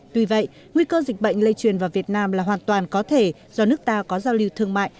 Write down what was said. tuy vậy nguy cơ dịch bệnh lây truyền vào việt nam là hoàn toàn có thể do nước ta có giao lưu thương mại